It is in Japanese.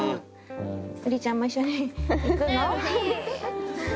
ウリちゃんも一緒に行くの？